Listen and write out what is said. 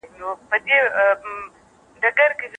ټول ماشومان د بریا لپاره مساوي حق لري.